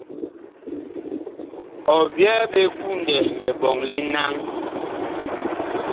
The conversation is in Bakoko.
Ɔ byɛɛ ɓe kundɛ liɓɔŋ li naŋ.